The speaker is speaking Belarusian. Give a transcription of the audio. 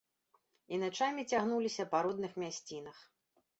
І начамі цягнуліся па родных мясцінах.